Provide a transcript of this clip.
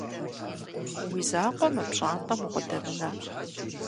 Уи закъуэ мы пщӀантӀэм укъыдэмынэ.